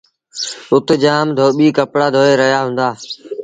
اُت جآم ڌوٻيٚ ڪپڙآ دوئي رهيآ هُݩدآ۔